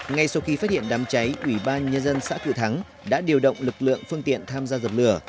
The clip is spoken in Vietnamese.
ngay sau khi phát hiện đám cháy ủy ban nhân dân xã cự thắng đã điều động lực lượng phương tiện tham gia dập lửa